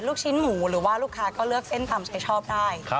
ลูกชิ้นหมูหรือว่าลูกค้าก็เลือกเส้นตามใช้ชอบได้